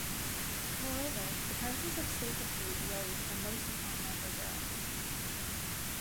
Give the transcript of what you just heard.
Moreover, the prices of staple foods rose for most of continental Europe.